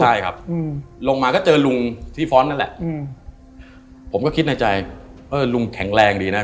ใช่ครับลงมาก็เจอลุงที่ฟ้อนต์นั่นแหละอืมผมก็คิดในใจเออลุงแข็งแรงดีนะ